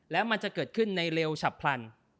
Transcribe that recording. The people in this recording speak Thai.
แล้วมันจะเกิดขึ้นในเร็วฉับพลัน